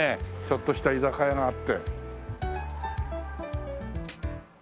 ちょっとした居酒屋があって。